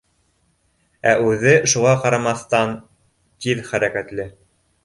Ә үҙе, шуға ҡарамаҫтан, тиҙ хәрәкәтле